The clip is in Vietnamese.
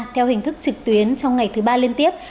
theo hình thức trực tuyến trong ngày thứ ba liên tiếp